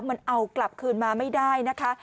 มันเอากลับคืนมาไม่ได้นะคะ